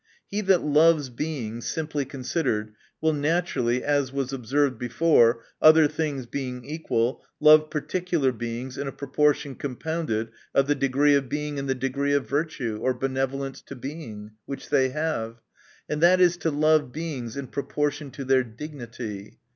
He that loves Being, simply considered, will naturally (as was observed before), other things being equal, love particular Beings, in a proportion compounded of the degree of Being, and the degree of virtue or benevolence to Being, which they Lave. And that is to love Beings in proportion to their dignity.